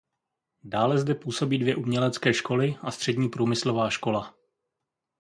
Dále zde působí dvě umělecké školy a střední průmyslová škola.